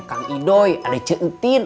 kang idoy ada cek utin